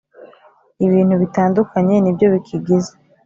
ibintu bitandukanye nibyo bikigize .